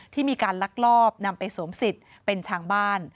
ที่มีการลักลอบนำไปสวมสิทธิ์เป็นชาวบ้าน